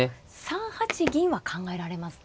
３八銀は考えられますか。